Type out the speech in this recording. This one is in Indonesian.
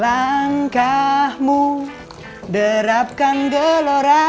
langkahmu derapkan gelora